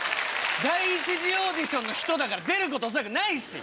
第１次オーディションの人だから出ること恐らくないし。